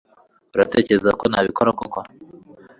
Uratekereza ko nabikora koko